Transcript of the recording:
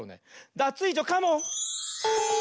ダツイージョカモン！